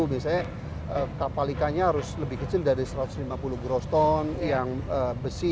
biasanya kapal ikannya harus lebih kecil dari satu ratus lima puluh groston yang besi